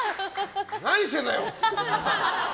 何してるんだよ！